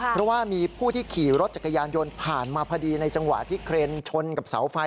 เพราะว่ามีผู้ที่ขี่รถจักรยานยนต์ผ่านมาพอดีในจังหวะที่เครนชนกับเสาไฟ